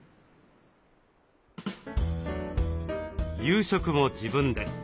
夕食も自分で。